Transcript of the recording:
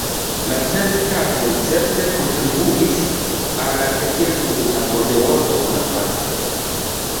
La Cent-Tagoj certe kontribuis al la legendo de Napoleono Bonaparte.